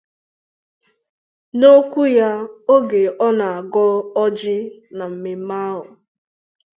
N'okwu ya oge ọ na-agọ ọjị na mmemme ahụ